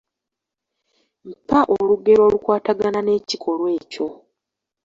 Mpa olugero olukwatagana n’ekikolwa ekyo.